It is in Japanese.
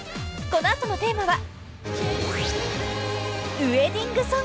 ［この後のテーマは］